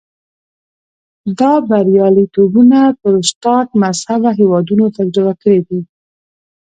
دا بریالیتوبونه پروتستانت مذهبه هېوادونو تجربه کړي دي.